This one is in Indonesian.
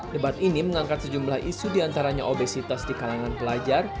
debat ini mengangkat sejumlah isu diantaranya obesitas di kalangan pelajar